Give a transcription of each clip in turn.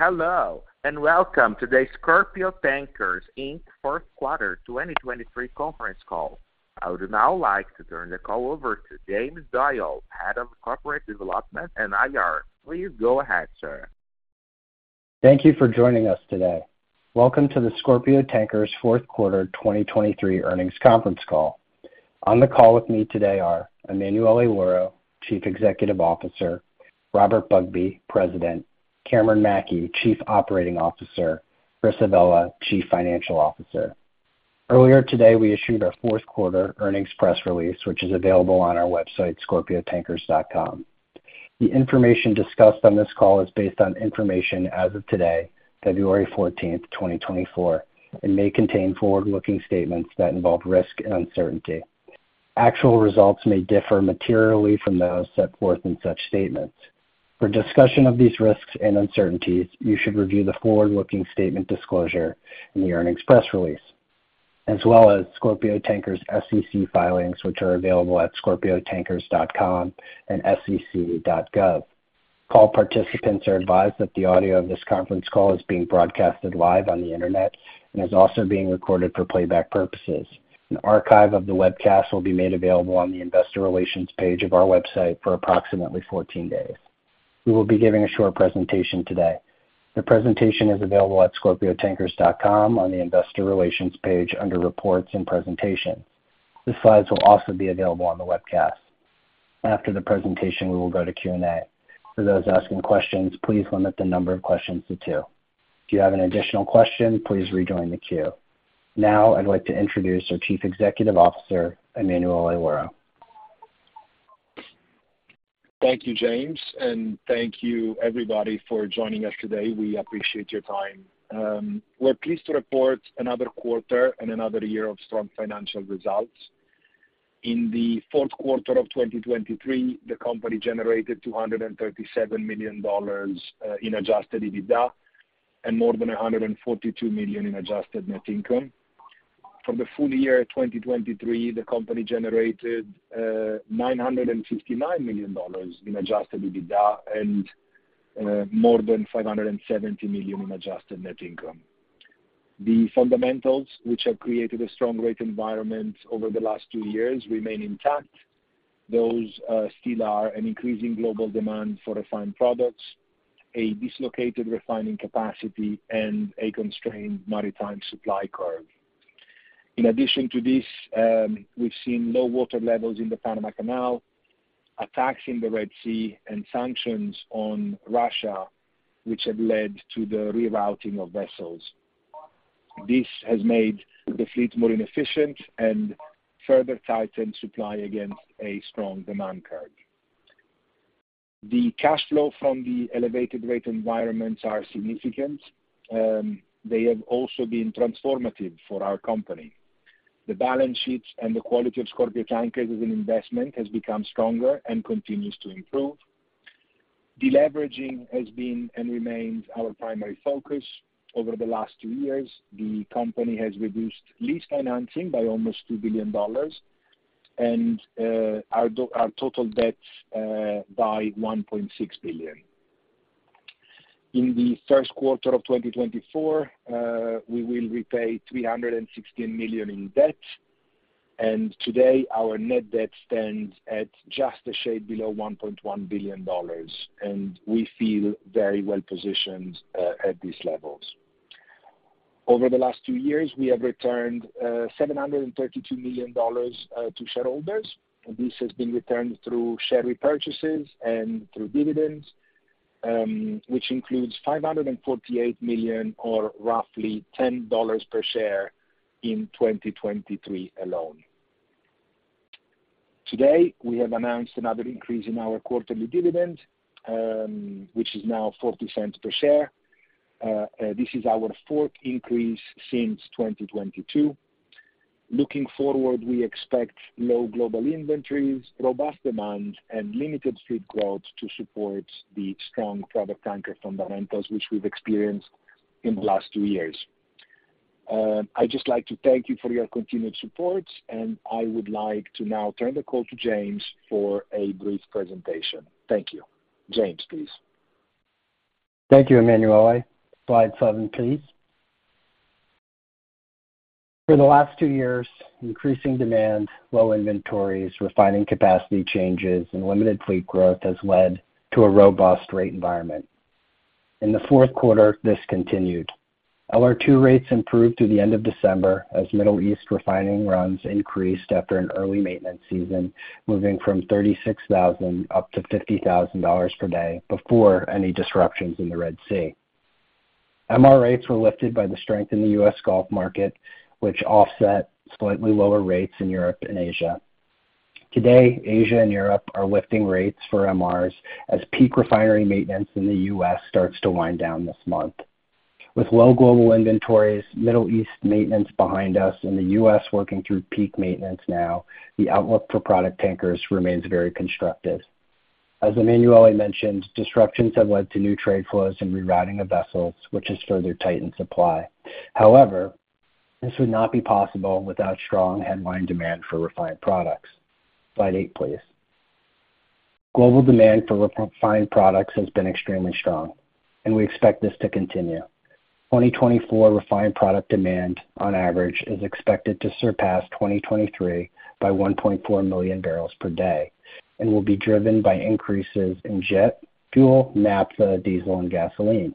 Hello, and welcome to the Scorpio Tankers, Inc. Q4 2023 conference call. I would now like to turn the call over to James Doyle, Head of Corporate Development and IR. Please go ahead, sir. Thank you for joining us today. Welcome to the Scorpio Tankers Q4 2023 earnings conference call. On the call with me today are Emanuele Lauro, Chief Executive Officer, Robert Bugbee, President, Cameron Mackey, Chief Operating Officer, Chris Avella, Chief Financial Officer. Earlier today, we issued our Q4 earnings press release, which is available on our website, scorpiotankers.com. The information discussed on this call is based on information as of today, February 14, 2024, and may contain forward-looking statements that involve risk and uncertainty. Actual results may differ materially from those set forth in such statements. For discussion of these risks and uncertainties, you should review the forward-looking statement disclosure in the earnings press release, as well as Scorpio Tankers' SEC filings, which are available at scorpiotankers.com and sec.gov. Call participants are advised that the audio of this conference call is being broadcasted live on the internet and is also being recorded for playback purposes. An archive of the webcast will be made available on the investor relations page of our website for approximately 14 days. We will be giving a short presentation today. The presentation is available at scorpiotankers.com on the investor relations page under Reports and Presentations. The slides will also be available on the webcast. After the presentation, we will go to Q&A. For those asking questions, please limit the number of questions to 2. If you have an additional question, please rejoin the queue. Now, I'd like to introduce our Chief Executive Officer, Emanuele Lauro. Thank you, James, and thank you, everybody, for joining us today. We appreciate your time. We're pleased to report another quarter and another year of strong financial results. In the Q4 of 2023, the company generated $237 million in Adjusted EBITDA and more than $142 million in Adjusted Net Income. For the full year 2023, the company generated $959 million in Adjusted EBITDA and more than $570 million in Adjusted Net Income. The fundamentals, which have created a strong rate environment over the last 2 years, remain intact. Those still are an increasing global demand for refined products, a dislocated refining capacity, and a constrained maritime supply curve. In addition to this, we've seen low water levels in the Panama Canal, attacks in the Red Sea, and sanctions on Russia, which have led to the rerouting of vessels. This has made the fleet more inefficient and further tightened supply against a strong demand curve. The cash flow from the elevated rate environments are significant. They have also been transformative for our company. The balance sheets and the quality of Scorpio Tankers as an investment has become stronger and continues to improve. Deleveraging has been and remains our primary focus. Over the last 2 years, the company has reduced lease financing by almost $2 billion and our total debt by $1.6 billion. In the Q1 of 2024, we will repay $316 million in debt, and today our net debt stands at just a shade below $1.1 billion, and we feel very well positioned at these levels. Over the last 2 years, we have returned $732 million to shareholders, and this has been returned through share repurchases and through dividends, which includes $548 million, or roughly $10 per share, in 2023 alone. Today, we have announced another increase in our quarterly dividend, which is now $0.40 per share. This is our 4th increase since 2022. Looking forward, we expect low global inventories, robust demand, and limited fleet growth to support the strong product tanker fundamentals, which we've experienced in the last 2 years. I'd just like to thank you for your continued support, and I would like to now turn the call to James for a brief presentation. Thank you. James, please. Thank you, Emanuele. Slide 7, please. For the last 2 years, increasing demand, low inventories, refining capacity changes, and limited fleet growth has led to a robust rate environment. In the Q4, this continued. LR2 rates improved through the end of December as Middle East refining runs increased after an early maintenance season, moving from $36,000 up to $50,000 per day before any disruptions in the Red Sea. MR rates were lifted by the strength in the U.S. Gulf market, which offset slightly lower rates in Europe and Asia. Today, Asia and Europe are lifting rates for MRs as peak refinery maintenance in the U.S. starts to wind down this month. With low global inventories, Middle East maintenance behind us, and the U.S. working through peak maintenance now, the outlook for product tankers remains very constructive. As Emanuele mentioned, disruptions have led to new trade flows and rerouting of vessels, which has further tightened supply. However, this would not be possible without strong headline demand for refined products. Slide 8, please. Global demand for refined products has been extremely strong, and we expect this to continue. 2024 refined product demand, on average, is expected to surpass 2023 by 1.4 million barrels per day and will be driven by increases in jet fuel, naphtha, diesel and gasoline.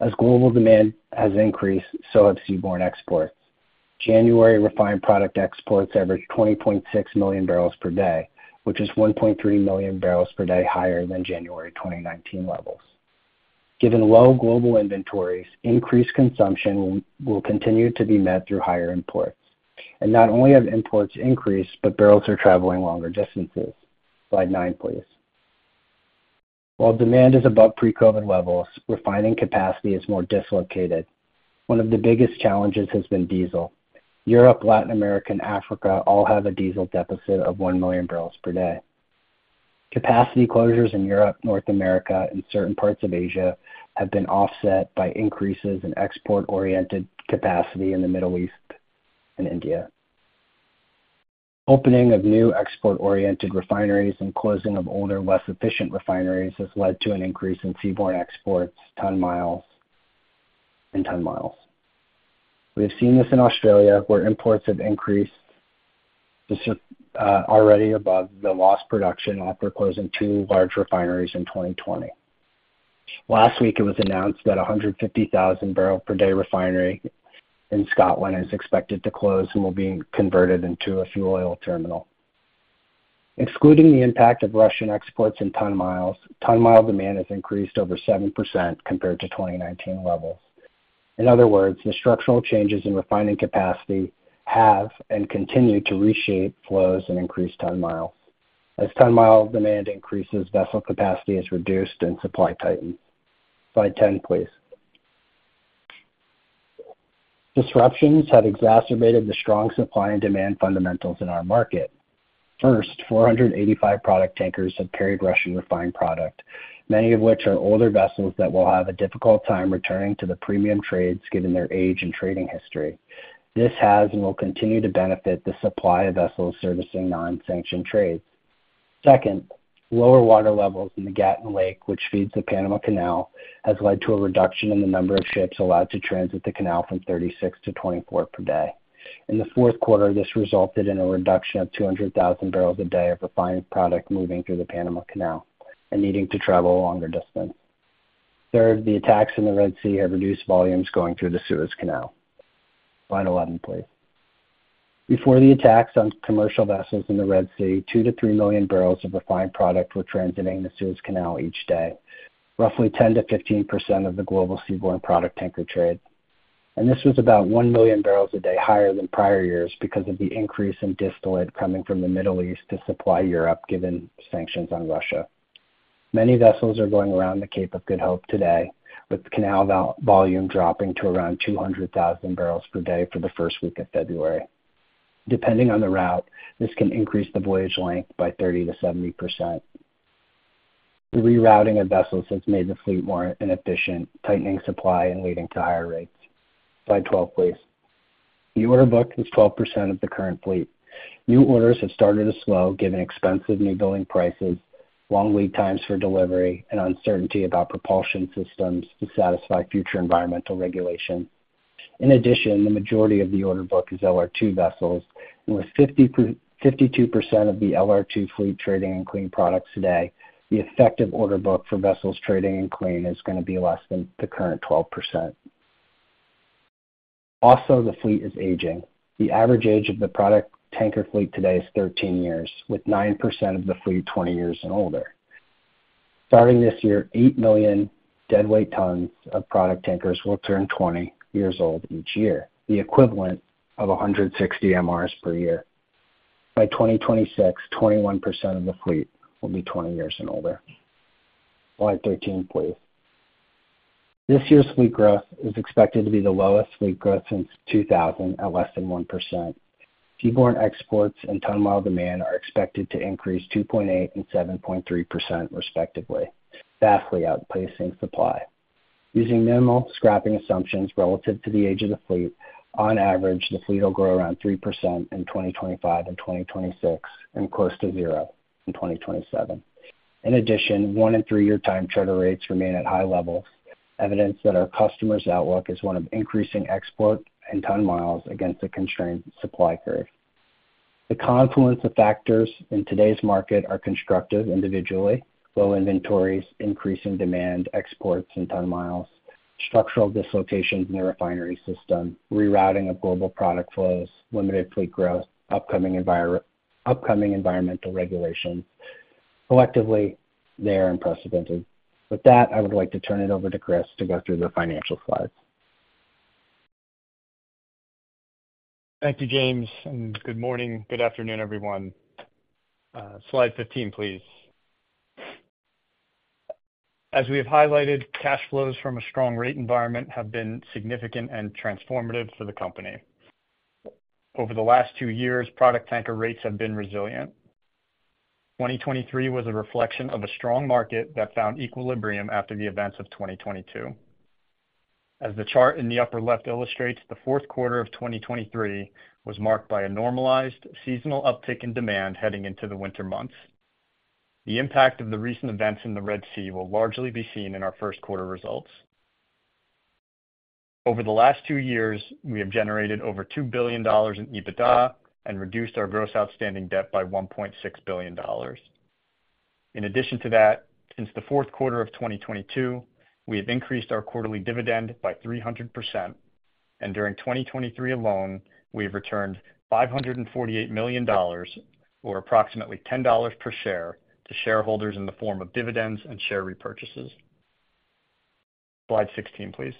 As global demand has increased, so have seaborne exports. January refined product exports averaged 20.6 million barrels per day, which is 1.3 million barrels per day higher than January 2019 levels. Given low global inventories, increased consumption will continue to be met through higher imports. And not only have imports increased, but barrels are traveling longer distances. Slide 9, please. While demand is above pre-COVID levels, refining capacity is more dislocated. One of the biggest challenges has been diesel. Europe, Latin America, and Africa all have a diesel deficit of 1 million barrels per day. Capacity closures in Europe, North America, and certain parts of Asia have been offset by increases in export-oriented capacity in the Middle East and India. Opening of new export-oriented refineries and closing of older, less efficient refineries has led to an increase in seaborne exports, ton-miles, and ton-miles. We've seen this in Australia, where imports have increased already above the lost production after closing 2 large refineries in 2020. Last week, it was announced that a 150,000 barrel per day refinery in Scotland is expected to close and will be converted into a fuel oil terminal. Excluding the impact of Russian exports and ton-miles, ton-mile demand has increased over 7% compared to 2019 levels. In other words, the structural changes in refining capacity have and continue to reshape flows and increase ton-mile. As ton-mile demand increases, vessel capacity is reduced and supply tightens. Slide 10, please. Disruptions have exacerbated the strong supply and demand fundamentals in our market. First, 485 product tankers have carried Russian refined product, many of which are older vessels that will have a difficult time returning to the premium trades, given their age and trading history. This has and will continue to benefit the supply of vessels servicing non-sanctioned trades. Second, lower water levels in the Gatun Lake, which feeds the Panama Canal, has led to a reduction in the number of ships allowed to transit the canal from 36 to 24 per day. In the Q4, this resulted in a reduction of 200,000 barrels a day of refined product moving through the Panama Canal and needing to travel a longer distance. Third, the attacks in the Red Sea have reduced volumes going through the Suez Canal. Slide 11, please. Before the attacks on commercial vessels in the Red Sea, 2-3 million barrels of refined product were transiting the Suez Canal each day, roughly 10%-15% of the global seaborne product tanker trade. This was about 1 million barrels a day higher than prior years because of the increase in distillate coming from the Middle East to supply Europe, given sanctions on Russia. Many vessels are going around the Cape of Good Hope today, with the canal volume dropping to around 200,000 barrels per day for the first week of February. Depending on the route, this can increase the voyage length by 30%-70%. The rerouting of vessels has made the fleet more inefficient, tightening supply and leading to higher rates. Slide 12, please. The order book is 12% of the current fleet. New orders have started to slow, given expensive new building prices, long lead times for delivery, and uncertainty about propulsion systems to satisfy future environmental regulation. In addition, the majority of the order book is LR2 vessels, and with 52% of the LR2 fleet trading in clean products today, the effective order book for vessels trading in clean is going to be less than the current 12%. Also, the fleet is aging. The average age of the product tanker fleet today is 13 years, with 9% of the fleet 20 years and older. Starting this year, 8 million deadweight tons of product tankers will turn 20 years old each year, the equivalent of 160 MRs per year. By 2026, 21% of the fleet will be 20 years and older. Slide 13, please. This year's fleet growth is expected to be the lowest fleet growth since 2000, at less than 1%. Seaborne exports and ton-mile demand are expected to increase 2.8% and 7.3%, respectively, vastly outpacing supply. Using minimal scrapping assumptions relative to the age of the fleet, on average, the fleet will grow around 3% in 2025 and 2026, and close to 0 in 2027. In addition, 1-3-year time charter rates remain at high levels, evidence that our customers' outlook is one of increasing export and ton-miles against a constrained supply curve. The confluence of factors in today's market are constructive individually. Low inventories, increasing demand, exports and ton-miles, structural dislocations in the refinery system, rerouting of global product flows, limited fleet growth, upcoming environmental regulations. Collectively, they are unprecedented. With that, I would like to turn it over to Chris to go through the financial slides. Thank you, James, and good morning. Good afternoon, everyone. Slide 15, please. As we have highlighted, cash flows from a strong rate environment have been significant and transformative for the company. Over the last 2 years, product tanker rates have been resilient. 2023 was a reflection of a strong market that found equilibrium after the events of 2022.... As the chart in the upper left illustrates, the Q4 of 2023 was marked by a normalized seasonal uptick in demand heading into the winter months. The impact of the recent events in the Red Sea will largely be seen in our Q1 results. Over the last 2 years, we have generated over $2 billion in EBITDA and reduced our gross outstanding debt by $1.6 billion. In addition to that, since the Q4 of 2022, we have increased our quarterly dividend by 300%, and during 2023 alone, we have returned $548 million, or approximately $10 per share, to shareholders in the form of dividends and share repurchases. Slide 16, please.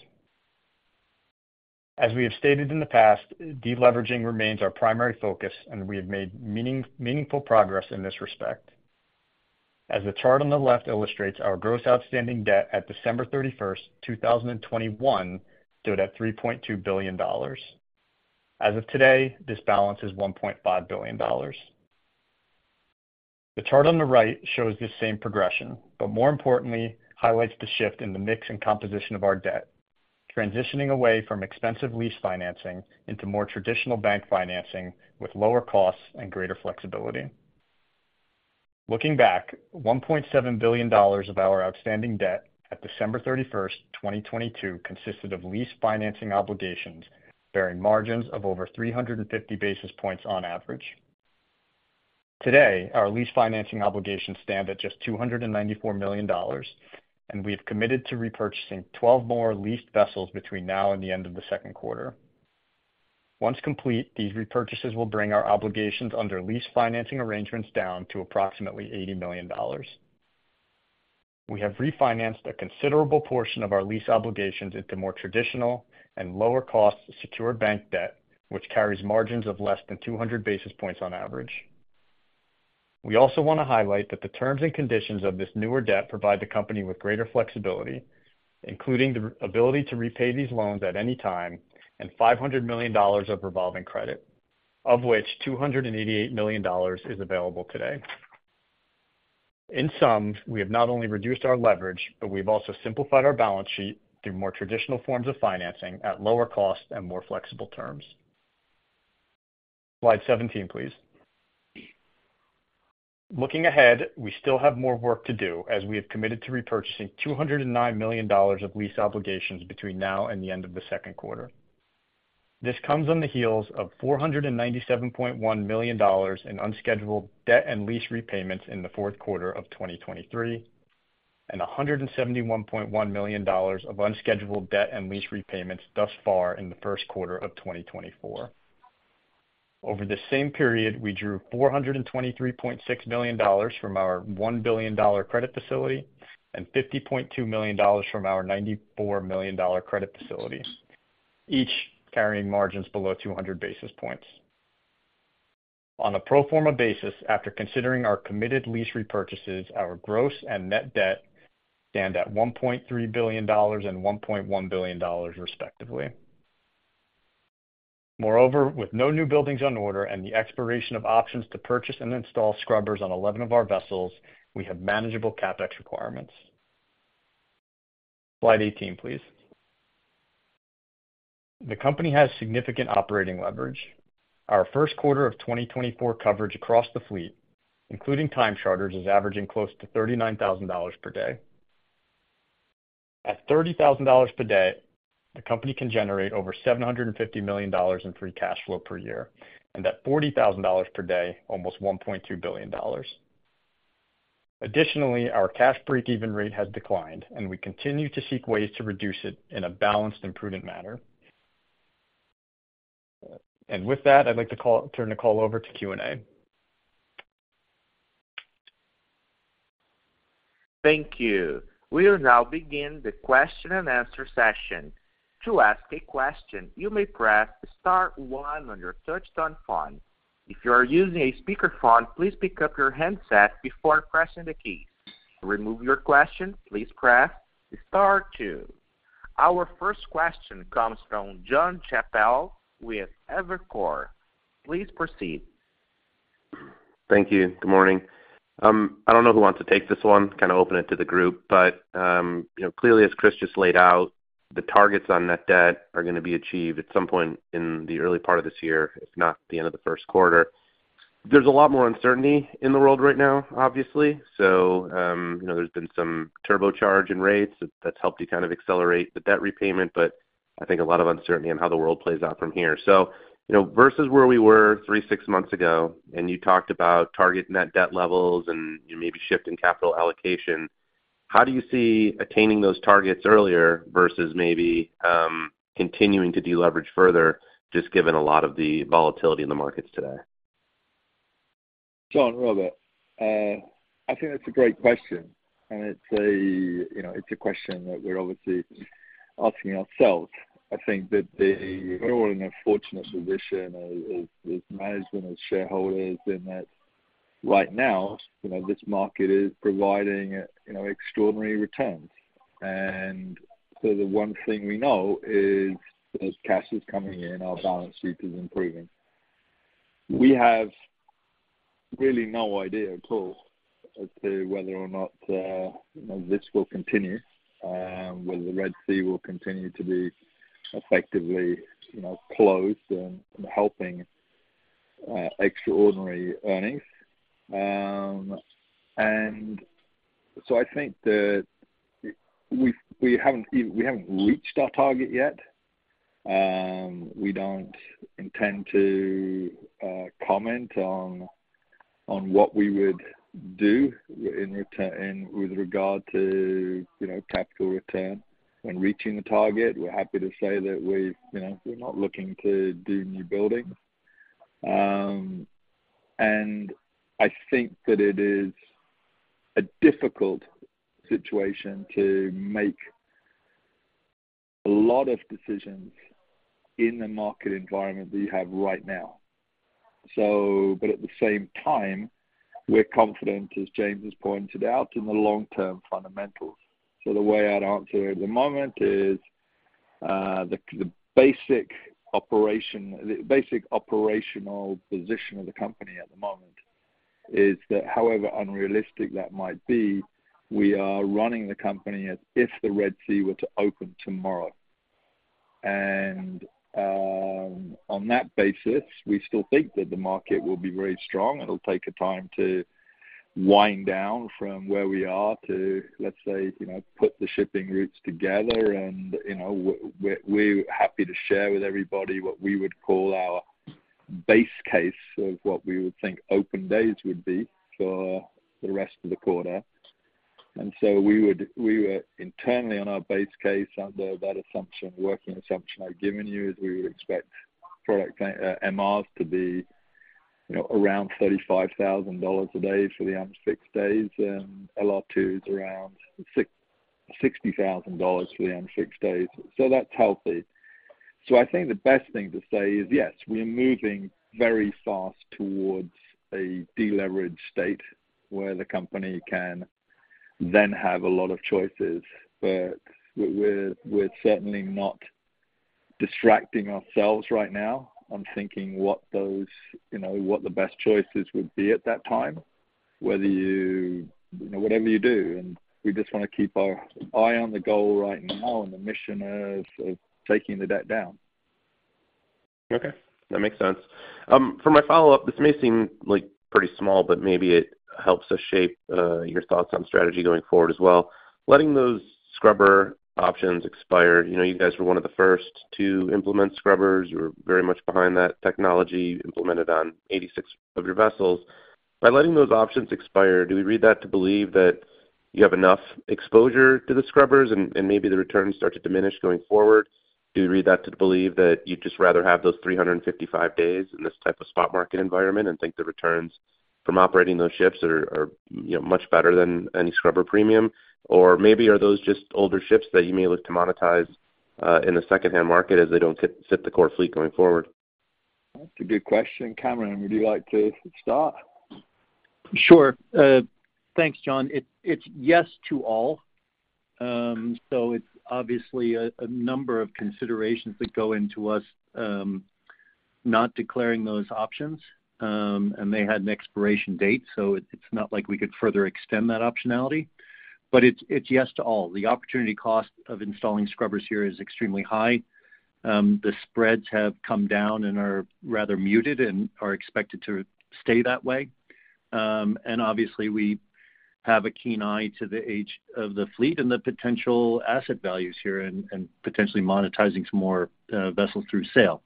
As we have stated in the past, deleveraging remains our primary focus, and we have made meaningful progress in this respect. As the chart on the left illustrates, our gross outstanding debt at December 31, 2021, stood at $3.2 billion. As of today, this balance is $1.5 billion. The chart on the right shows this same progression, but more importantly, highlights the shift in the mix and composition of our debt, transitioning away from expensive lease financing into more traditional bank financing with lower costs and greater flexibility. Looking back, $1.7 billion of our outstanding debt at December 31, 2022, consisted of lease financing obligations bearing margins of over 350 basis points on average. Today, our lease financing obligations stand at just $294 million, and we have committed to repurchasing 12 more leased vessels between now and the end of the Q2. Once complete, these repurchases will bring our obligations under lease financing arrangements down to approximately $80 million. We have refinanced a considerable portion of our lease obligations into more traditional and lower-cost secured bank debt, which carries margins of less than 200 basis points on average. We also want to highlight that the terms and conditions of this newer debt provide the company with greater flexibility, including the ability to repay these loans at any time, and $500 million of revolving credit, of which $288 million is available today. In sum, we have not only reduced our leverage, but we've also simplified our balance sheet through more traditional forms of financing at lower costs and more flexible terms. Slide 17, please. Looking ahead, we still have more work to do, as we have committed to repurchasing $209 million of lease obligations between now and the end of the Q2. This comes on the heels of $497.1 million in unscheduled debt and lease repayments in the Q4 of 2023, and $171.1 million of unscheduled debt and lease repayments thus far in the Q1 of 2024. Over the same period, we drew $423.6 million from our $1 billion credit facility and $50.2 million from our $94 million credit facility, each carrying margins below 200 basis points. On a pro forma basis, after considering our committed lease repurchases, our gross and net debt stand at $1.3 billion and $1.1 billion, respectively. Moreover, with no new buildings on order and the expiration of options to purchase and install scrubbers on 11 of our vessels, we have manageable CapEx requirements. Slide 18, please. The company has significant operating leverage. Our Q1 of 2024 coverage across the fleet, including time charters, is averaging close to $39,000 per day. At $30,000 per day, the company can generate over $750 million in free cash flow per year, and at $40,000 per day, almost $1.2 billion. Additionally, our cash break-even rate has declined, and we continue to seek ways to reduce it in a balanced and prudent manner. And with that, I'd like to call, turn the call over to Q&A. Thank you. We will now begin the question-and-answer session. To ask a question, you may press *1 on your touchtone phone. If you are using a speakerphone, please pick up your handset before pressing the key. To remove your question, please press *2. Our first question comes from John Chappell with Evercore. Please proceed. Thank you. Good morning. I don't know who wants to take this one, kind of open it to the group, but, you know, clearly, as Chris just laid out, the targets on net debt are going to be achieved at some point in the early part of this year, if not the end of the Q1. There's a lot more uncertainty in the world right now, obviously. So, you know, there's been some turbocharge in rates that's helped you kind of accelerate the debt repayment, but I think a lot of uncertainty on how the world plays out from here. So, you know, versus where we were 3, 6 months ago, and you talked about target net debt levels and maybe shift in capital allocation, how do you see attaining those targets earlier versus maybe, continuing to deleverage further, just given a lot of the volatility in the markets today? John, Robert, I think that's a great question, and it's a, you know, it's a question that we're obviously asking ourselves. I think that we're all in a fortunate position as management, as shareholders, in that right now, you know, this market is providing, you know, extraordinary returns. And so the one thing we know is, as cash is coming in, our balance sheet is improving... We have really no idea at all as to whether or not, you know, this will continue, whether the Red Sea will continue to be effectively, you know, closed and helping extraordinary earnings. And so I think that we haven't even, we haven't reached our target yet. We don't intend to comment on what we would do in returns with regard to, you know, capital return. When reaching the target, we're happy to say that we, you know, we're not looking to do new building. And I think that it is a difficult situation to make a lot of decisions in the market environment that you have right now. So but at the same time, we're confident, as James has pointed out, in the long-term fundamentals. So the way I'd answer it at the moment is, the, the basic operation, the basic operational position of the company at the moment is that however unrealistic that might be, we are running the company as if the Red Sea were to open tomorrow. And, on that basis, we still think that the market will be very strong. It'll take a time to wind down from where we are to, let's say, you know, put the shipping routes together. You know, we're happy to share with everybody what we would call our base case of what we would think open days would be for the rest of the quarter. So we would, we were internally, on our base case, under that assumption, working assumption I've given you, is we would expect product MRs to be, you know, around $35,000 a day for the unfixed days, and LR2 is around $60,000 for the unfixed days. That's healthy. I think the best thing to say is, yes, we are moving very fast towards a deleveraged state, where the company can then have a lot of choices. But we're certainly not distracting ourselves right now on thinking what those, you know, what the best choices would be at that time, whether you... You know, whatever you do, and we just wanna keep our eye on the goal right now and the mission of taking the debt down. Okay, that makes sense. For my follow-up, this may seem like pretty small, but maybe it helps us shape your thoughts on strategy going forward as well. Letting those scrubber options expire, you know, you guys were one of the first to implement scrubbers. You're very much behind that technology, implemented on 86 of your vessels. By letting those options expire, do we read that to believe that you have enough exposure to the scrubbers and maybe the returns start to diminish going forward? Do we read that to believe that you'd just rather have those 355 days in this type of spot market environment and think the returns from operating those ships are, you know, much better than any scrubber premium? Or maybe are those just older ships that you may look to monetize in the secondhand market as they don't fit the core fleet going forward? That's a good question. Cameron, would you like to start? Sure. Thanks, John. It's yes to all. So it's obviously a number of considerations that go into us not declaring those options, and they had an expiration date, so it's not like we could further extend that optionality. But it's yes to all. The opportunity cost of installing scrubbers here is extremely high. The spreads have come down and are rather muted and are expected to stay that way. And obviously, we have a keen eye to the age of the fleet and the potential asset values here and potentially monetizing some more vessels through sale.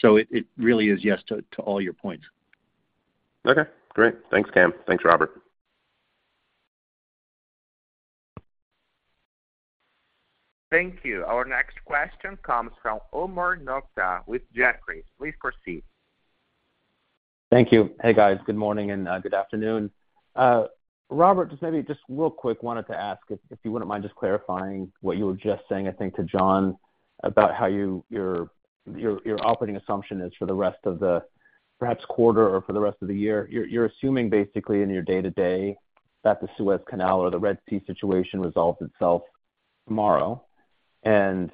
So it really is yes to all your points. Okay, great. Thanks, Cam. Thanks, Robert. Thank you. Our next question comes from Omar Nokta with Jefferies. Please proceed. Thank you. Hey, guys. Good morning and good afternoon. Robert, just maybe, just real quick, wanted to ask if you wouldn't mind just clarifying what you were just saying, I think, to John, about how your operating assumption is for the rest of the perhaps quarter or for the rest of the year. You're assuming basically in your day-to-day that the Suez Canal or the Red Sea situation resolves itself tomorrow. And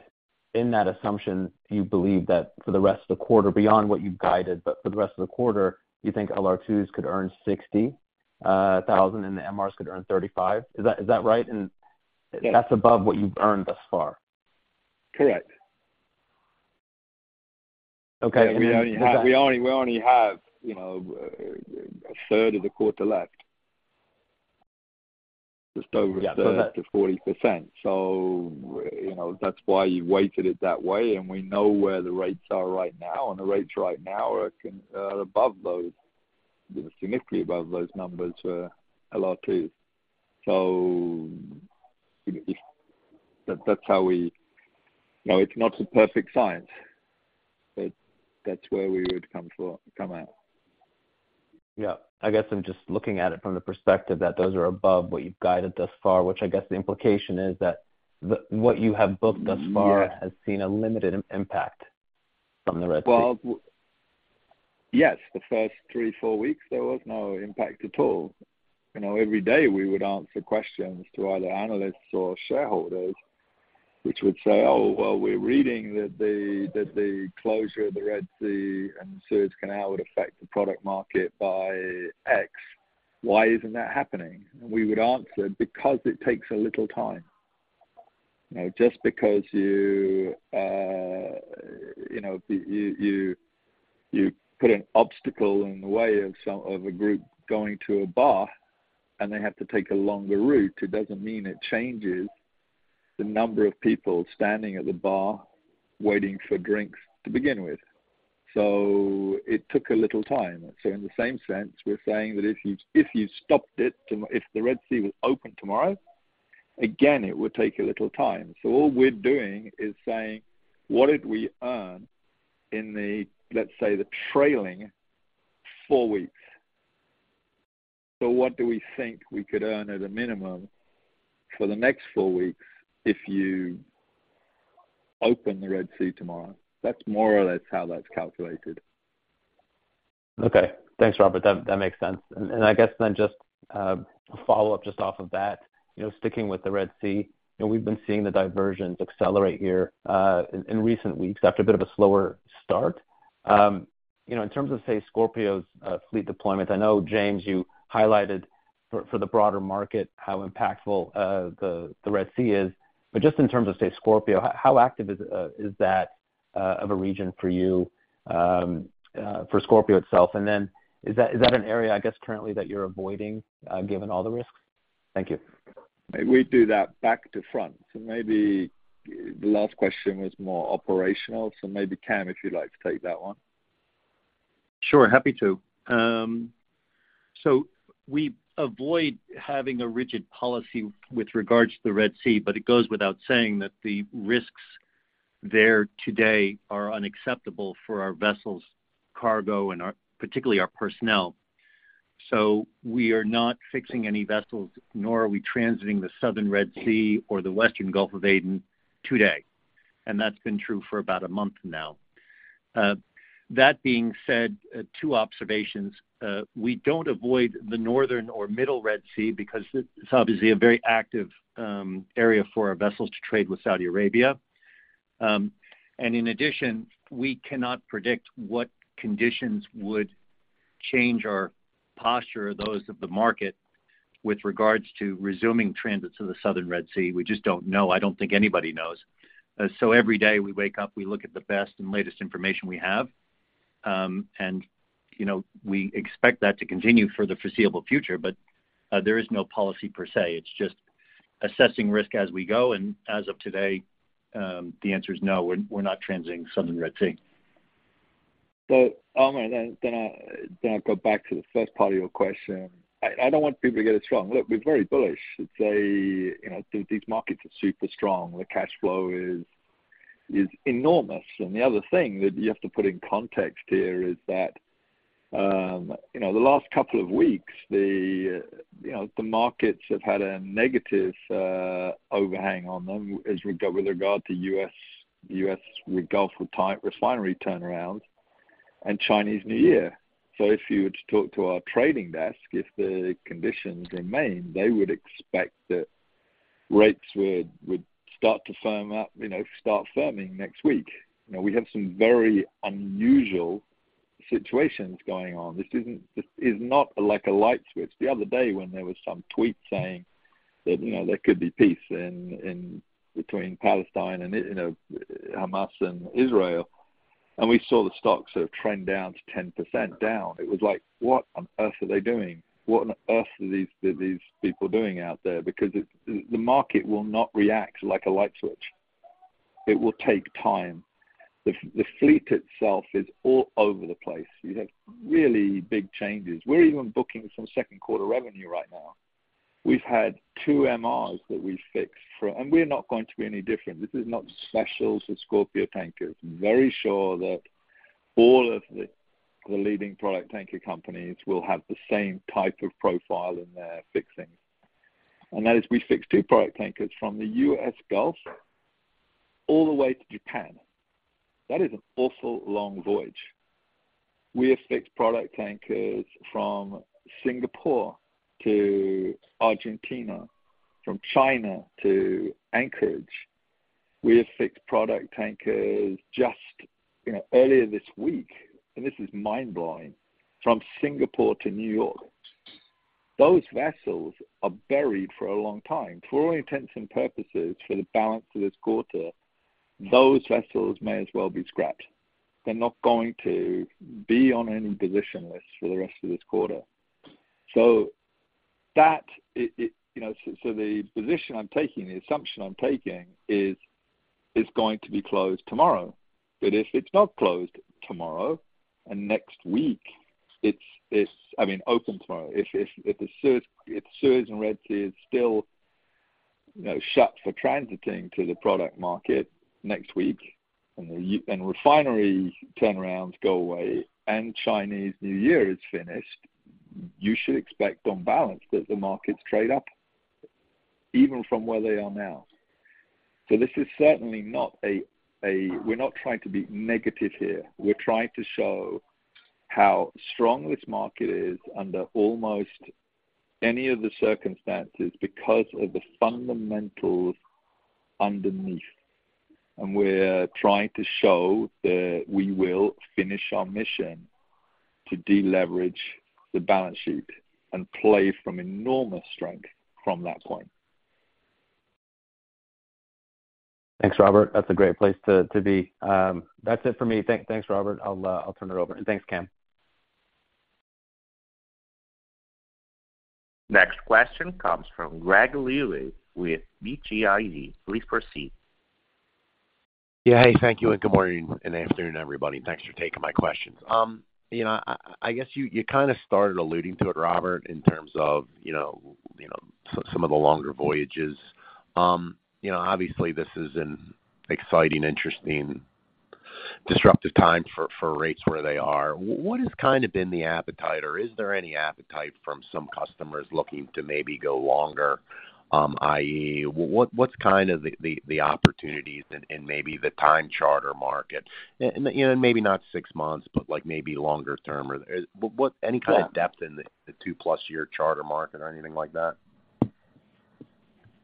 in that assumption, you believe that for the rest of the quarter, beyond what you've guided, but for the rest of the quarter, you think LR2s could earn $60,000, and the MRs could earn $35,000. Is that right? And- Yes. That's above what you've earned thus far. Correct. Okay. We only have, you know, a third of the quarter left. Just over- Yeah. Thirty to 40%. So, you know, that's why you weighted it that way, and we know where the rates are right now, and the rates right now are considerably above those, significantly above those numbers for LR2. So if that, that's how we... You know, it's not a perfect science, but that's where we would come through, come out. Yeah. I guess I'm just looking at it from the perspective that those are above what you've guided thus far, which I guess the implication is that the, what you have booked thus far- Yes... has seen a limited impact from the Red Sea. Well, yes, the first 3-4 weeks, there was no impact at all. You know, every day we would answer questions to either analysts or shareholders... which would say, oh, well, we're reading that the, that the closure of the Red Sea and Suez Canal would affect the product market by X. Why isn't that happening? We would answer, because it takes a little time. You know, just because you, you know, put an obstacle in the way of some of a group going to a bar, and they have to take a longer route, it doesn't mean it changes the number of people standing at the bar waiting for drinks to begin with. So it took a little time. So in the same sense, we're saying that if the Red Sea was open tomorrow, again, it would take a little time. So all we're doing is saying, what did we earn in the, let's say, the trailing 4 weeks? So what do we think we could earn at a minimum for the next 4 weeks if you open the Red Sea tomorrow? That's more or less how that's calculated. Okay, thanks, Robert. That makes sense. And I guess then just a follow-up just off of that, you know, sticking with the Red Sea, you know, we've been seeing the diversions accelerate here in recent weeks after a bit of a slower start. You know, in terms of, say, Scorpio's fleet deployment, I know, James, you highlighted for the broader market, how impactful the Red Sea is. But just in terms of, say, Scorpio, how active is that region for you for Scorpio itself? And then, is that an area, I guess, currently that you're avoiding given all the risks? Thank you. Maybe we do that back to front. So maybe the last question was more operational, so maybe, Cam, if you'd like to take that one. Sure, happy to. So we avoid having a rigid policy with regards to the Red Sea, but it goes without saying that the risks there today are unacceptable for our vessels, cargo, and, particularly, our personnel. So we are not fixing any vessels, nor are we transiting the Southern Red Sea or the Western Gulf of Aden today, and that's been true for about a month now. That being said, two observations. We don't avoid the northern or middle Red Sea because it's obviously a very active area for our vessels to trade with Saudi Arabia. And in addition, we cannot predict what conditions would change our posture or those of the market with regards to resuming transits of the Southern Red Sea. We just don't know. I don't think anybody knows. So every day we wake up, we look at the best and latest information we have, and, you know, we expect that to continue for the foreseeable future. But there is no policy per se. It's just assessing risk as we go, and as of today, the answer is no, we're, we're not transiting Southern Red Sea. So, Omar, then I go back to the first part of your question. I don't want people to get it wrong. Look, we're very bullish. It's, you know, these markets are super strong. The cash flow is enormous. And the other thing that you have to put in context here is that, you know, the last couple of weeks, the markets have had a negative overhang on them with regard to U.S. Gulf with refinery turnaround and Chinese New Year. So if you were to talk to our trading desk, if the conditions remain, they would expect that rates would start to firm up, you know, start firming next week. You know, we have some very unusual situations going on. This isn't. This is not like a light switch. The other day when there was some tweet saying that, you know, there could be peace in, in between Palestine and, you know, Hamas and Israel, and we saw the stocks sort of trend down to 10% down, it was like, what on earth are they doing? What on earth are these, these people doing out there? Because it, the market will not react like a light switch. It will take time. The, the fleet itself is all over the place. You have really big changes. We're even booking some Q2 revenue right now. We've had two MRs that we fixed for... And we're not going to be any different. This is not special to Scorpio Tankers. I'm very sure that all of the, the leading product tanker companies will have the same type of profile in their fixing. And that is, we fixed two product tankers from the U.S. Gulf all the way to Japan. That is an awful long voyage. We have fixed product tankers from Singapore to Argentina, from China to Anchorage. We have fixed product tankers just, you know, earlier this week, and this is mind-blowing, from Singapore to New York. Those vessels are buried for a long time. For all intents and purposes, for the balance of this quarter, those vessels may as well be scrapped. They're not going to be on any position list for the rest of this quarter. So that it-- you know, so the position I'm taking, the assumption I'm taking is, it's going to be closed tomorrow, but if it's not closed tomorrow and next week, it's... I mean, open tomorrow. If the Suez and Red Sea is still, you know, shut for transiting to the product market next week, and the U.S. and refinery turnarounds go away, and Chinese New Year is finished, you should expect, on balance, that the markets trade up even from where they are now. So this is certainly not. We're not trying to be negative here. We're trying to show how strong this market is under almost any of the circumstances because of the fundamentals underneath, and we're trying to show that we will finish our mission to deleverage the balance sheet and play from enormous strength from that point. Thanks, Robert. That's a great place to be. That's it for me. Thanks, Robert. I'll turn it over. Thanks, Cam. Next question comes from Greg Lewis with BTIG. Please proceed. Yeah. Hey, thank you, and good morning, and afternoon, everybody. Thanks for taking my questions. You know, I guess you kind of started alluding to it, Robert, in terms of, you know, some of the longer voyages. You know, obviously, this is an exciting, interesting, disruptive time for rates where they are. What has kind of been the appetite, or is there any appetite from some customers looking to maybe go longer? I.e., what's kind of the opportunities and maybe the time charter market? And, you know, maybe not 6 months, but, like, maybe longer term, or is... But what- Yeah. Any kind of depth in the 2+ year charter market or anything like that?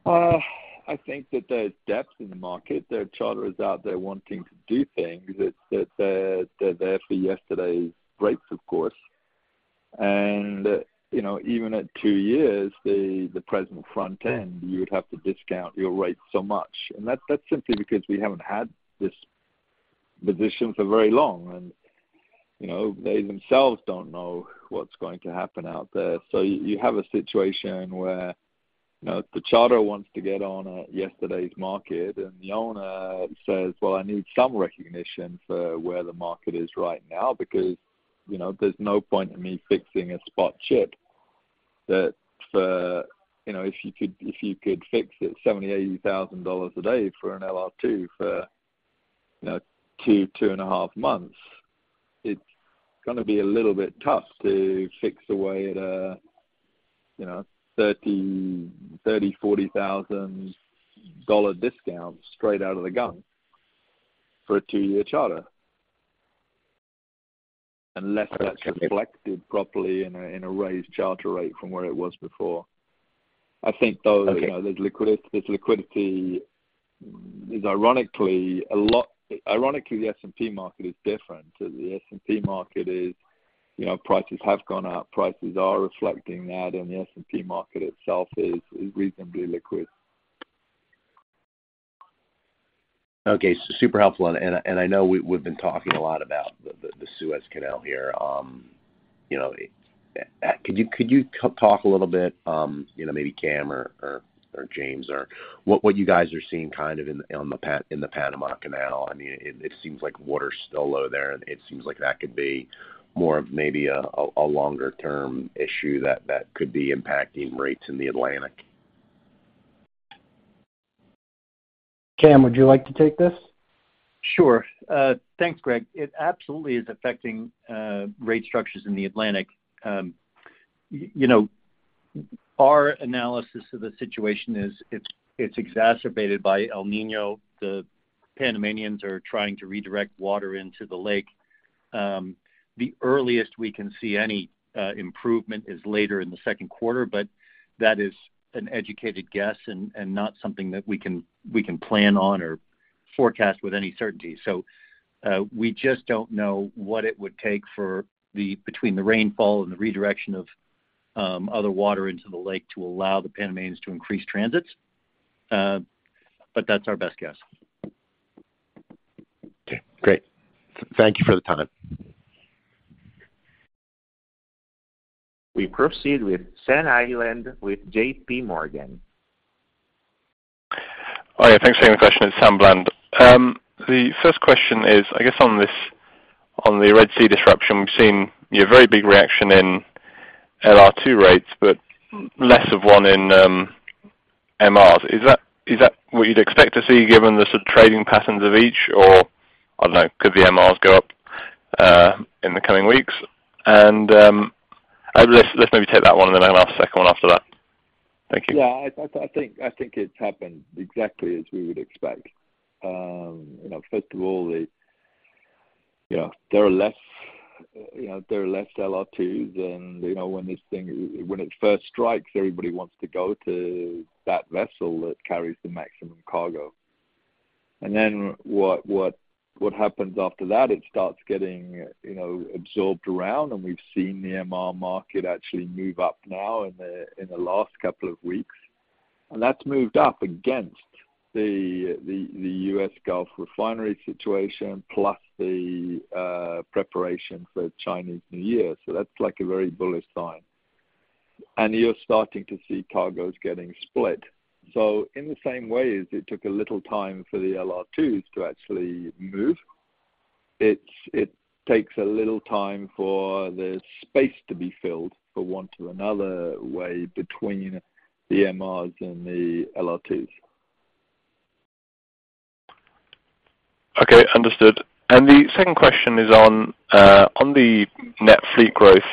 I think that there's depth in the market. There are charters out there wanting to do things, it's that they're there for yesterday's rates, of course. And, you know, even at 2 years, the present front end, you would have to discount your rate so much, and that's simply because we haven't had this position for very long. And, you know, they themselves don't know what's going to happen out there. So you have a situation where, you know, the charter wants to get on yesterday's market, and the owner says, "Well, I need some recognition for where the market is right now, because, you know, there's no point in me fixing a spot ship." That for, you know, if you could, if you could fix it $70,000-$80,000 a day for an LR2 for, you know, 2 and 1/2 months, it's gonna be a little bit tough to fix away at a, you know, $30,000-$40,000 discount straight out of the gun for a 2-year charter. Unless that's reflected properly in a, in a raised charter rate from where it was before. Okay. I think, though, you know, there's liquidity is ironically a lot... Ironically, the S&P market is different. The S&P market is, you know, prices have gone up, prices are reflecting that, and the S&P market itself is reasonably liquid. Okay, super helpful. And I know we've been talking a lot about the Suez Canal here. You know, could you talk a little bit, you know, maybe Cam or James, or what you guys are seeing kind of in, on the Panama Canal? I mean, it seems like water's still low there, and it seems like that could be more of maybe a longer-term issue that could be impacting rates in the Atlantic. Cam, would you like to take this? Sure. Thanks, Greg. It absolutely is affecting rate structures in the Atlantic. You know, our analysis of the situation is it's exacerbated by El Niño. The Panamanians are trying to redirect water into the lake. The earliest we can see any improvement is later in the Q2, but that is an educated guess and not something that we can plan on or forecast with any certainty. So, we just don't know what it would take between the rainfall and the redirection of other water into the lake to allow the Panamanians to increase transits. But that's our best guess. Okay, great. Thank you for the time. We proceed with Sam Bland with JP Morgan. Oh, yeah, thanks for the question. It's Sam Bland. The first question is, I guess, on this, on the Red Sea disruption, we've seen a very big reaction in LR2 rates, but less of one in MRs. Is that, is that what you'd expect to see, given the sort of trading patterns of each, or I don't know, could the MRs go up in the coming weeks? Let's maybe take that one, and then I'll ask a second one after that. Thank you. Yeah, I think it's happened exactly as we would expect. You know, first of all, there are less LR2s than when it first strikes, everybody wants to go to that vessel that carries the maximum cargo. And then what happens after that, it starts getting absorbed around, and we've seen the MR market actually move up now in the last couple of weeks. And that's moved up against the U.S. Gulf refinery situation, plus the preparation for Chinese New Year. So that's like a very bullish sign. And you're starting to see cargoes getting split. So in the same way as it took a little time for the LR2s to actually move, it takes a little time for the space to be filled for one to another way between the MRs and the LR2s. Okay, understood. And the second question is on, on the net fleet growth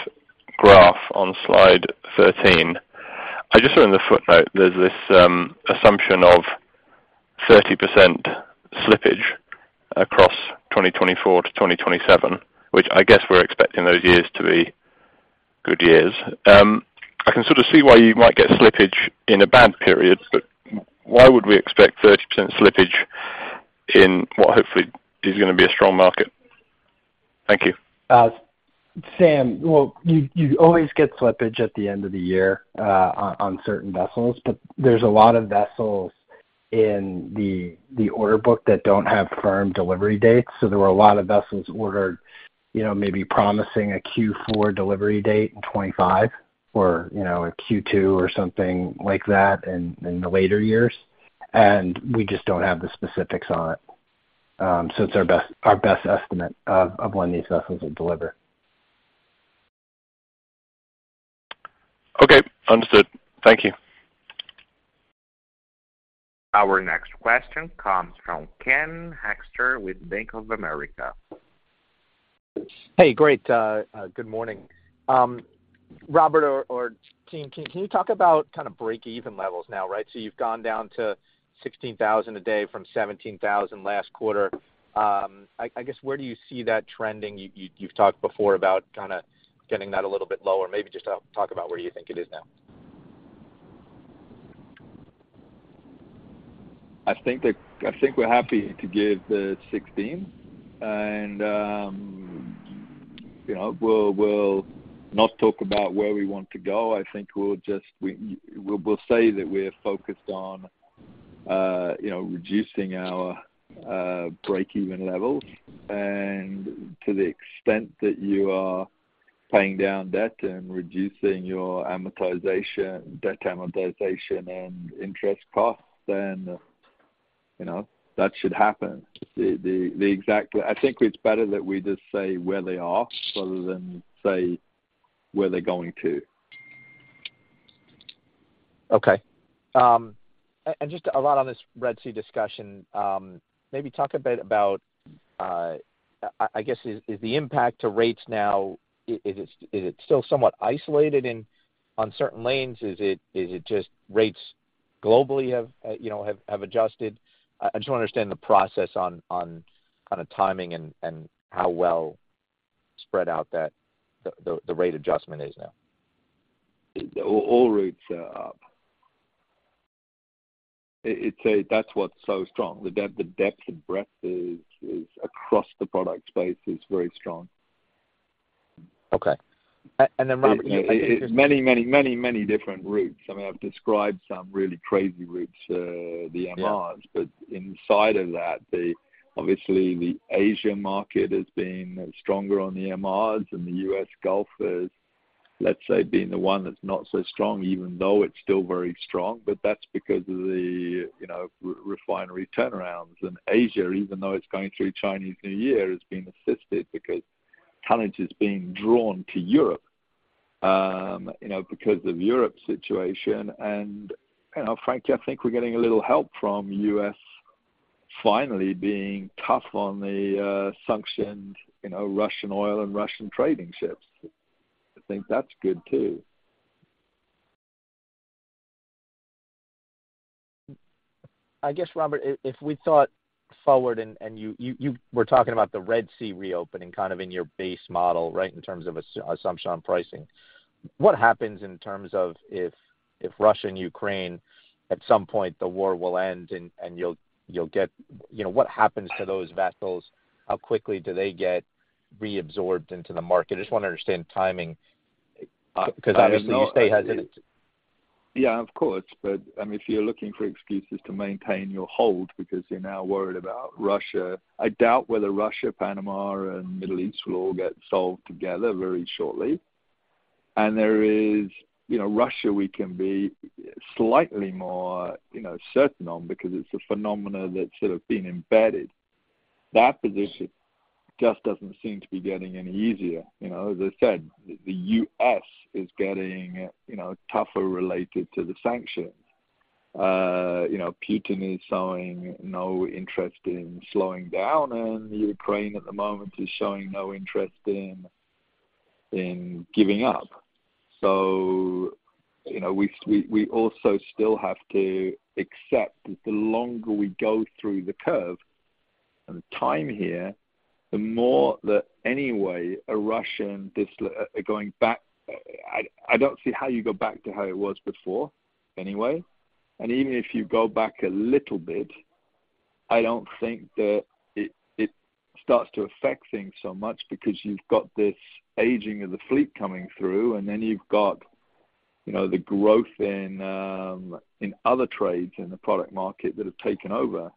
graph on slide 13. I just saw in the footnote, there's this, assumption of 30% slippage across 2024-2027, which I guess we're expecting those years to be good years. I can sort of see why you might get slippage in a bad period, but why would we expect 30% slippage in what hopefully is going to be a strong market? Thank you. Sam, well, you always get slippage at the end of the year on certain vessels, but there's a lot of vessels in the order book that don't have firm delivery dates. So there were a lot of vessels ordered, you know, maybe promising a Q4 delivery date in 2025 or, you know, a Q2 or something like that in the later years, and we just don't have the specifics on it. So it's our best estimate of when these vessels will deliver. Okay, understood. Thank you. Our next question comes from Ken Hexter with Bank of America. Hey, great. Good morning. Robert or team, can you talk about kind of break-even levels now, right? So you've gone down to $16,000 a day from $17,000 last quarter. I guess, where do you see that trending? You've talked before about kind of getting that a little bit lower. Maybe just talk about where you think it is now. I think we're happy to give the 16 and, you know, we'll not talk about where we want to go. I think we'll just say that we're focused on, you know, reducing our break-even levels. And to the extent that you are paying down debt and reducing your amortization, debt amortization and interest costs, then, you know, that should happen. The exact, I think it's better that we just say where they are rather than say where they're going to. Okay. And, and just a lot on this Red Sea discussion, maybe talk a bit about, I, I guess is, is the impact to rates now, is it, is it still somewhat isolated in on certain lanes? Is it, is it just rates globally have, you know, have, have adjusted? I just want to understand the process on, on kind of timing and, and how well spread out that the, the, the rate adjustment is now. All rates are up. It's a—that's what's so strong, the depth and breadth across the product space is very strong. Okay. And then, Robert- Many, many, many, many different routes. I mean, I've described some really crazy routes, the MRs. Yeah. But inside of that, obviously the Asia market has been stronger on the MRs, and the U.S. Gulf has, let's say, been the one that's not so strong, even though it's still very strong. But that's because of the, you know, refinery turnarounds. And Asia, even though it's going through Chinese New Year, is being assisted because talent is being drawn to Europe, you know, because of Europe's situation. And, you know, frankly, I think we're getting a little help from U.S. finally being tough on the sanctioned, you know, Russian oil and Russian trading ships. I think that's good, too. I guess, Robert, if we thought forward and you were talking about the Red Sea reopening kind of in your base model, right, in terms of assumption on pricing. What happens in terms of if Russia and Ukraine, at some point the war will end and you'll get... You know, what happens to those vessels? How quickly do they get reabsorbed into the market? I just want to understand timing, because obviously you stay hesitant. Yeah, of course. But, I mean, if you're looking for excuses to maintain your hold because you're now worried about Russia, I doubt whether Russia, Panama, and Middle East will all get solved together very shortly. And there is you know, Russia, we can be slightly more, you know, certain on because it's a phenomena that's sort of been embedded. That position just doesn't seem to be getting any easier, you know. As I said, the U.S. is getting, you know, tougher related to the sanctions. You know, Putin is showing no interest in slowing down, and Ukraine at the moment is showing no interest in, in giving up. So, you know, we also still have to accept that the longer we go through the curve and time here, the more that anyway, a Russian this going back—I don't see how you go back to how it was before anyway, and even if you go back a little bit, I don't think that it starts to affect things so much because you've got this aging of the fleet coming through, and then you've got, you know, the growth in in other trades in the product market that have taken over.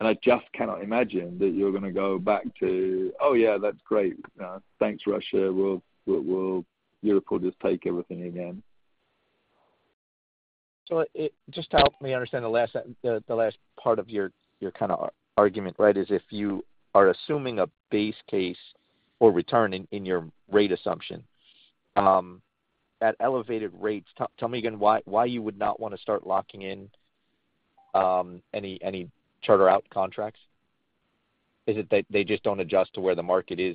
And I just cannot imagine that you're going to go back to, "Oh, yeah, that's great. Thanks, Russia. We'll, Europe will just take everything again. Just help me understand the last part of your kind of argument, right? If you are assuming a base case or return in your rate assumption at elevated rates, tell me again why you would not want to start locking in any charter out contracts?... Is it that they just don't adjust to where the market is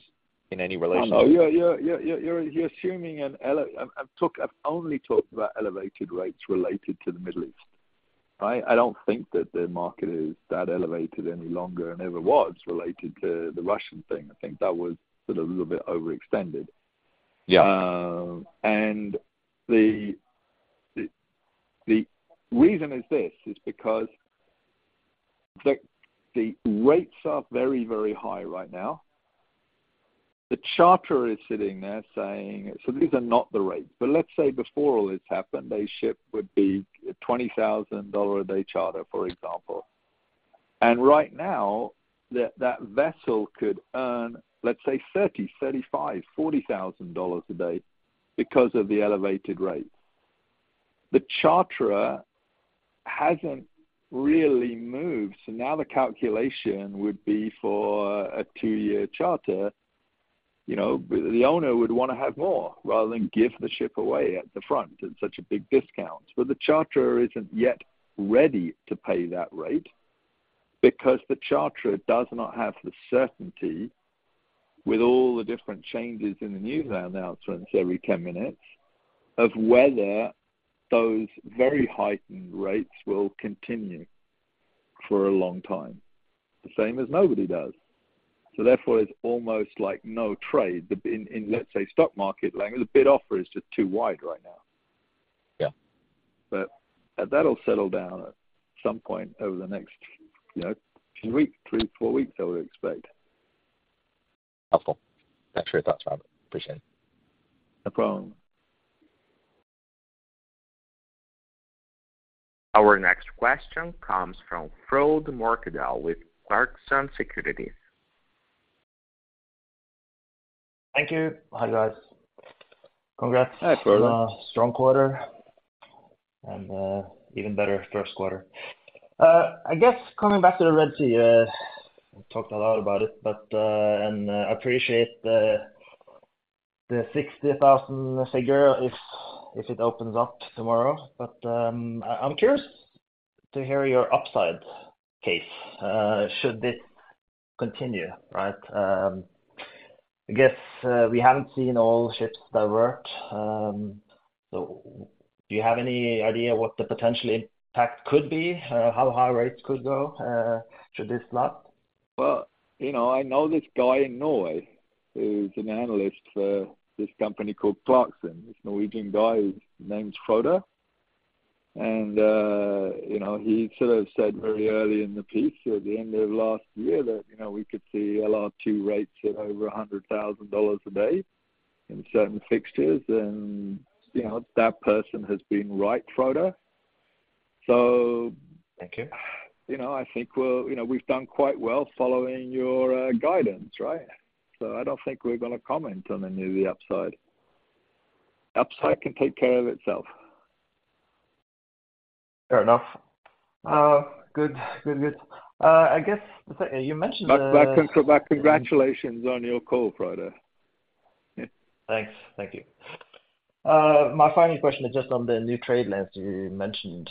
in any relation? No, you're assuming an elevated—I've only talked about elevated rates related to the Middle East, right? I don't think that the market is that elevated any longer, and never was related to the Russian thing. I think that was sort of a little bit overextended. Yeah. And the reason is this, is because the rates are very, very high right now. The charter is sitting there saying... So these are not the rates, but let's say before all this happened, a ship would be $20,000 a day charter, for example. And right now, that vessel could earn, let's say, $30,000-$40,000 a day because of the elevated rates. The charterer hasn't really moved, so now the calculation would be for a 2-year charter. You know, the owner would wanna have more rather than give the ship away at the front at such a big discount. But the charterer isn't yet ready to pay that rate because the charterer does not have the certainty, with all the different changes in the news announcements every 10 minutes, of whether those very heightened rates will continue for a long time, the same as nobody does. So therefore, it's almost like no trade. The bid, let's say, in the stock market, like, the bid offer is just too wide right now. Yeah. That'll settle down at some point over the next, you know, 2 weeks, 3, 4 weeks, I would expect. Helpful. Thanks for your thoughts, Rob. Appreciate it. No problem. Our next question comes from Frode Mørkedal with Clarksons Securities. Thank you. Hi, guys. Congrats- Hi, Frode. -on a strong quarter, and, even better Q1. I guess coming back to the Red Sea, we talked a lot about it, but, and I appreciate the, the $60,000 figure if, if it opens up tomorrow. But, I, I'm curious to hear your upside case, should this continue, right? I guess, we haven't seen all ships divert. So do you have any idea what the potential impact could be, how high rates could go, should this last? Well, you know, I know this guy in Norway who's an analyst for this company called Clarkson. This Norwegian guy, his name's Frode, and, you know, he sort of said very early in the piece, at the end of last year, that, you know, we could see a lot of 2 rates at over $100,000 a day in certain fixtures. And, you know, that person has been right, Frode. So- Thank you. You know, I think we're you know, we've done quite well following your guidance, right? So I don't think we're gonna comment on any of the upside. Upside can take care of itself. Fair enough. Good. Good, good. I guess you mentioned, Congratulations on your call, Frode. Thanks. Thank you. My final question is just on the new trade lanes you mentioned.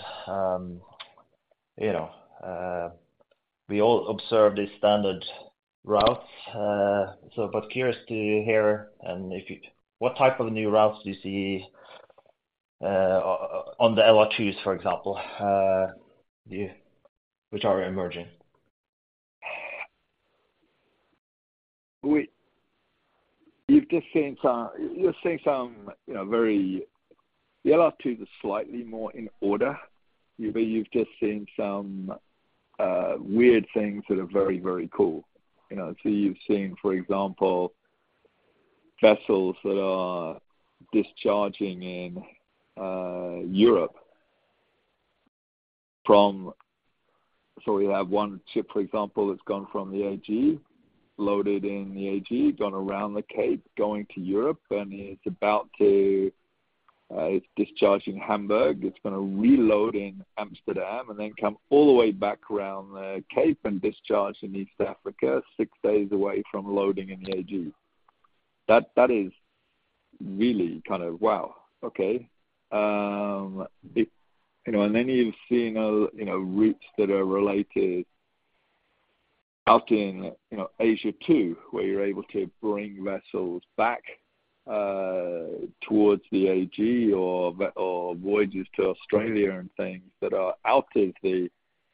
You know, we all observe the standard routes, so but curious to hear, and if you... What type of new routes do you see on the LR2s, for example, which are emerging? You've just seen some, you know, very... The LR2 is slightly more in order. But you've just seen some weird things that are very, very cool. You know, so you've seen, for example, vessels that are discharging in Europe from... So we have 1 ship, for example, that's gone from the AG, loaded in the AG, gone around the Cape, going to Europe, and it's about to, it's discharging Hamburg. It's gonna reload in Amsterdam, and then come all the way back around the Cape and discharge in East Africa, 6 days away from loading in the AG. That is really kind of wow! Okay. It... You know, and then you've seen, you know, routes that are related out in, you know, Asia too, where you're able to bring vessels back, towards the AG or voyages to Australia and things that are out of the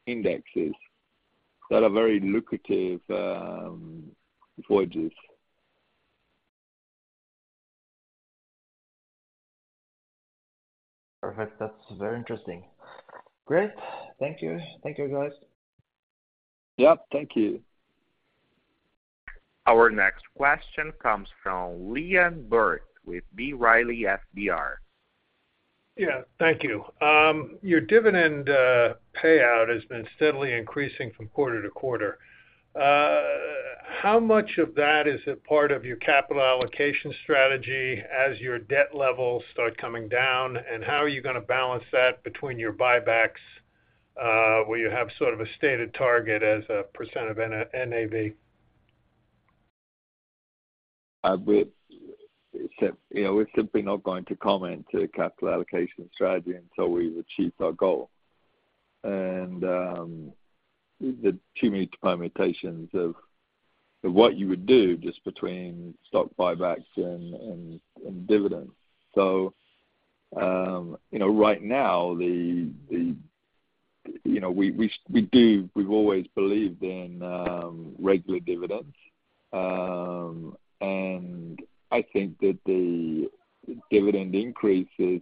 indexes, that are very lucrative, voyages. Perfect. That's very interesting. Great. Thank you. Thank you, guys. Yep, thank you. Our next question comes from Liam Burke with B. Riley FBR. Yeah, thank you. Your dividend payout has been steadily increasing from quarter to quarter. How much of that is a part of your capital allocation strategy as your debt levels start coming down? How are you gonna balance that between your buybacks, where you have sort of a stated target as a % of NAV? ... We except, you know, we're simply not going to comment on capital allocation strategy until we've achieved our goal. And there are too many permutations of what you would do just between stock buybacks and dividends. So, you know, right now, you know, we've always believed in regular dividends. And I think that the dividend increase is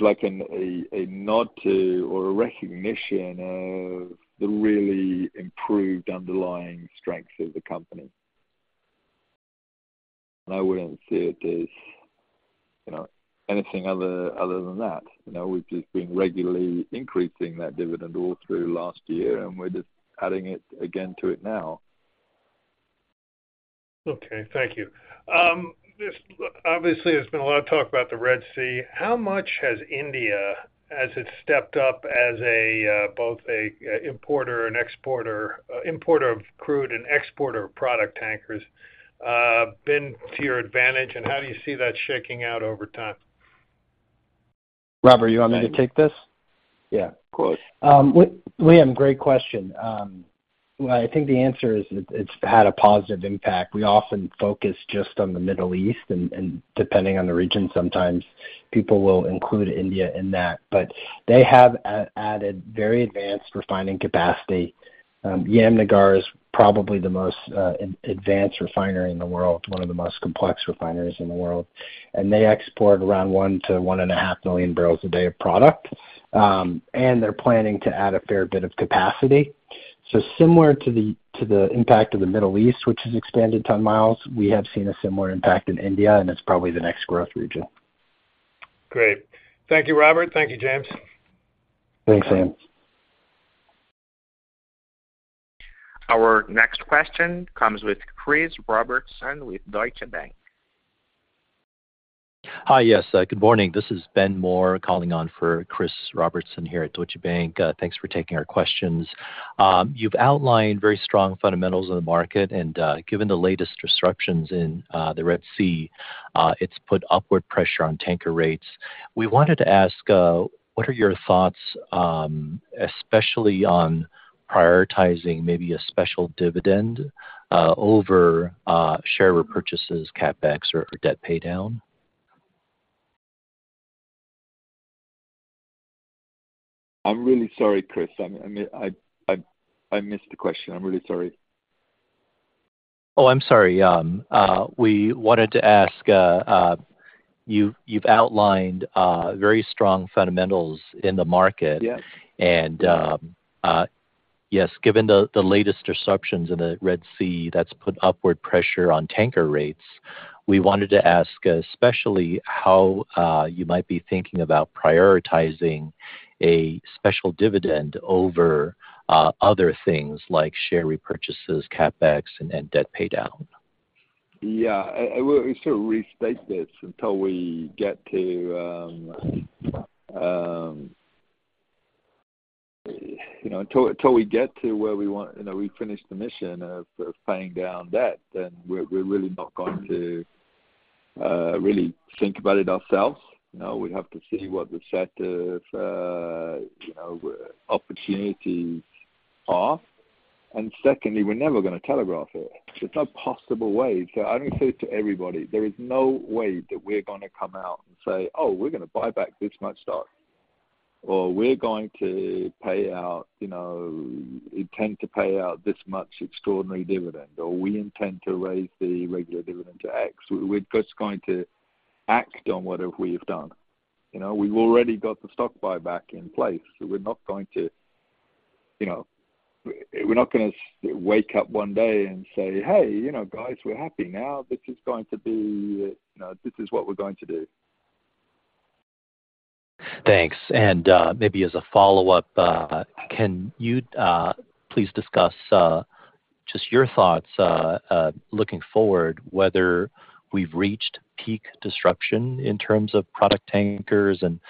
like a nod to or a recognition of the really improved underlying strength of the company. And I wouldn't see it as, you know, anything other than that. You know, we've just been regularly increasing that dividend all through last year, and we're just adding it again to it now. Okay, thank you. There's obviously been a lot of talk about the Red Sea. How much has India, as it stepped up as both an importer of crude and an exporter of product tankers, been to your advantage, and how do you see that shaking out over time? Robert, you want me to take this? Yeah, of course. Liam, great question. I think the answer is, it's had a positive impact. We often focus just on the Middle East, and depending on the region, sometimes people will include India in that. But they have added very advanced refining capacity. Jamnagar is probably the most advanced refinery in the world, one of the most complex refineries in the world, and they export around 1 to 1.5 million barrels a day of product. And they're planning to add a fair bit of capacity. So similar to the impact of the Middle East, which has expanded ton-miles, we have seen a similar impact in India, and it's probably the next growth region. Great. Thank you, Robert. Thank you, James. Thanks, Sam. Our next question comes with Chris Robertson with Deutsche Bank. Hi, yes. Good morning. This is Ben Moore, calling in for Chris Robertson here at Deutsche Bank. Thanks for taking our questions. You've outlined very strong fundamentals in the market, and given the latest disruptions in the Red Sea, it's put upward pressure on tanker rates. We wanted to ask what are your thoughts, especially on prioritizing maybe a special dividend over share repurchases, CapEx, or debt paydown? I'm really sorry, Chris. I mean, I missed the question. I'm really sorry. Oh, I'm sorry. We wanted to ask, you've outlined very strong fundamentals in the market. Yes. Yes, given the latest disruptions in the Red Sea, that's put upward pressure on tanker rates. We wanted to ask, especially how you might be thinking about prioritizing a special dividend over other things like share repurchases, CapEx, and debt paydown? Yeah. I will sort of restate this until we get to, you know, until we get to where we want... You know, we finish the mission of paying down debt, then we're really not going to really think about it ourselves. You know, we have to see what the set of, you know, opportunities are. And secondly, we're never gonna telegraph it. There's no possible way. So I would say to everybody, there is no way that we're gonna come out and say, "Oh, we're gonna buy back this much stock," or, "We're going to pay out, you know, intend to pay out this much extraordinary dividend," or, "We intend to raise the regular dividend to X." We're just going to act on what we've done. You know, we've already got the stock buyback in place, so we're not going to, you know, we're not gonna wake up one day and say, "Hey, you know, guys, we're happy now. This is going to be, you know, this is what we're going to do. Thanks. And, maybe as a follow-up, can you please discuss just your thoughts looking forward, whether we've reached peak disruption in terms of product tankers and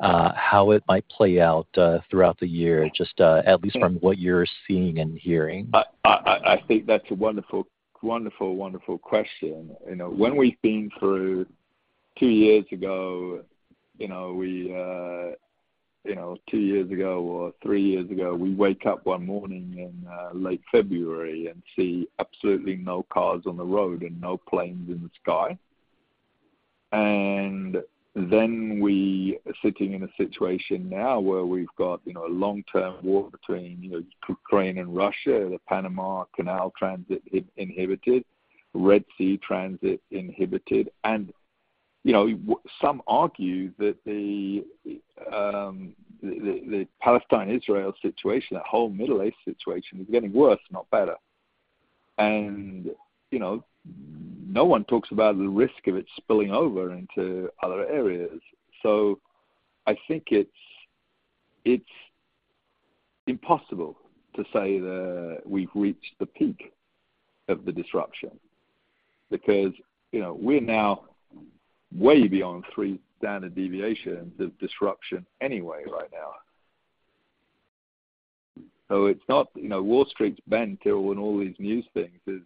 how it might play out throughout the year, just at least from what you're seeing and hearing? I think that's a wonderful, wonderful, wonderful question. You know, when we've been through 2 years ago, you know, we, you know, 2 years ago or 3 years ago, we wake up one morning in late February and see absolutely no cars on the road and no planes in the sky. And then we are sitting in a situation now where we've got, you know, a long-term war between, you know, Ukraine and Russia, the Panama Canal transit inhibited, Red Sea transit inhibited. And, you know, some argue that the the Palestine-Israel situation, that whole Middle East situation, is getting worse, not better. And, you know, no one talks about the risk of it spilling over into other areas. So I think it's impossible to say that we've reached the peak of the disruption because, you know, we're now way beyond 3 standard deviations of disruption anyway right now. So it's not, you know, Wall Street's been through when all these new things is.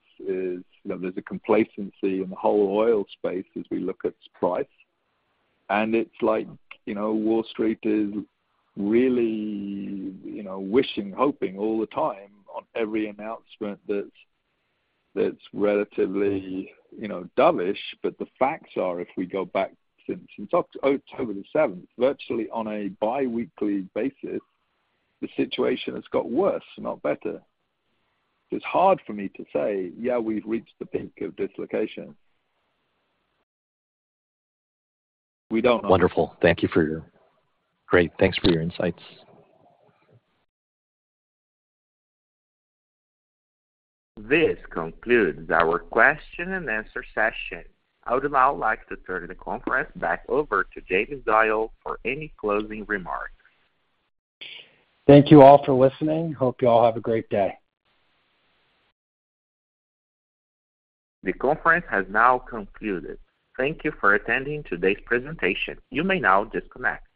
You know, there's a complacency in the whole oil space as we look at price. And it's like, you know, Wall Street is really, you know, wishing, hoping all the time on every announcement that's relatively, you know, dovish. But the facts are, if we go back since October the 7th, virtually on a biweekly basis, the situation has got worse, not better. It's hard for me to say, "Yeah, we've reached the peak of dislocation." We don't know. Wonderful. Thank you for your... Great, thanks for your insights. This concludes our question and answer session. I would now like to turn the conference back over to James Doyle for any closing remarks. Thank you all for listening. Hope you all have a great day. The conference has now concluded. Thank you for attending today's presentation. You may now disconnect.